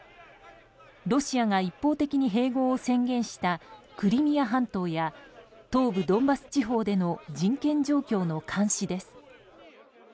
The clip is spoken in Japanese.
ロシアが一方的に併合を宣言したクリミア半島や東部ドンバス地方での人権状況の監視です。